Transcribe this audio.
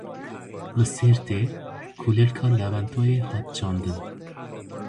Li Sêrtê kulîlka lewentoyê hat çandin.